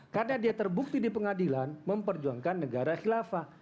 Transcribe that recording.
karena dia terbukti di pengadilan memperjuangkan negara khilafah